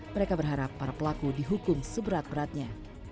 mereka berharap para pelaku dihukum seberat beratnya